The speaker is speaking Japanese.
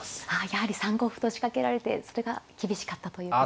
やはり３五歩と仕掛けられてそれが厳しかったということでしょうか。